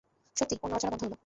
সত্যিই, ওর নড়াচড়া বন্ধ হল।